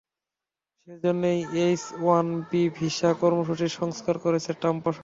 সে জন্যই H one B visa কর্মসূচি সংস্কার করেছে ট্রাম্প প্রশাসন।